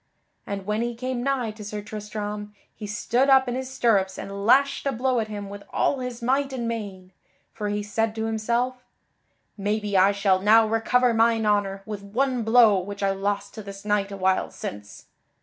And when he came nigh to Sir Tristram, he stood up in his stirrups and lashed a blow at him with all his might and main; for he said to himself: "Maybe I shall now recover mine honor with one blow which I lost to this knight a while since."